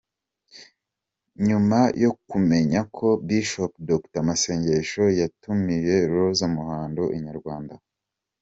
Nyuma yo kumenya ko Bishop Dr Masengo yatumiye Rose Muhando, Inyarwanda.